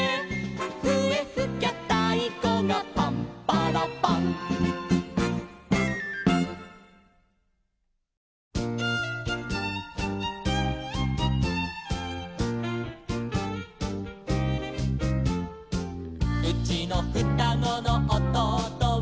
「ふえふきゃたいこがパンパラパン」「うちのふたごのおとうとは」